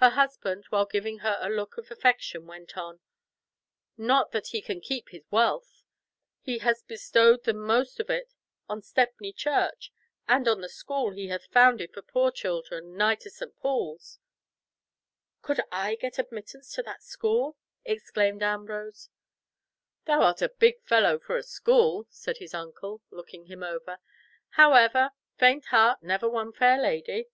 Her husband, while giving her a look of affection, went on—"Not that he can keep his wealth. He has bestowed the most of it on Stepney church, and on the school he hath founded for poor children, nigh to St. Paul's." "Could I get admittance to that school?" exclaimed Ambrose. "Thou art a big fellow for a school," said his uncle, looking him over. "However, faint heart never won fair lady."